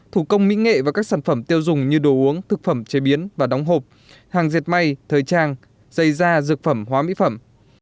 thủ công mỹ nghệ và các sản phẩm tiêu dùng như đồ uống thực phẩm chế biến và đóng hộp hàng diệt may thời trang dây da dược phẩm hóa mỹ phẩm